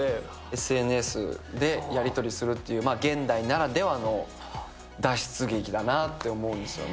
ＳＮＳでやり取りするという現代ならではの脱出劇だなと思うんですよね。